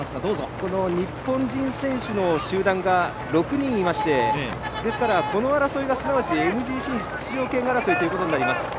この日本選手の集団が６人いましてこの争いがすなわちＭＧＣ出場権争いということになります。